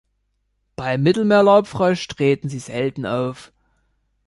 Beim Mittelmeer-Laubfrosch treten sie selten auf.